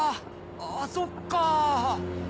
あそっか！